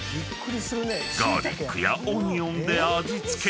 ［ガーリックやオニオンで味付け］